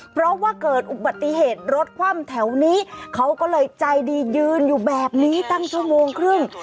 เพราะว่าเกิดอุบัติเหตุรถคว่ำแถวนี้เขาก็เลยใจดียืนอยู่แบบนี้ตั้งชั่วโมงครึ่ง